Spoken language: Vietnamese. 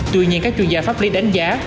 tuy nhiên các chuyên gia pháp lý đánh giá